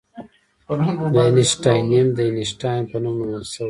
د اینشټاینیم د اینشټاین په نوم نومول شوی.